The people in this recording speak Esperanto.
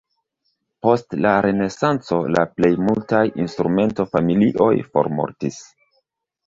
Post la renesanco la plej multaj instrumento-familioj formortis.